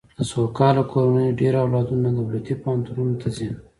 د سوکاله کورنیو ډېر اولادونه دولتي پوهنتونونو ته ځي.